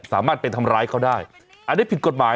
สามารถไปทำร้ายเขาได้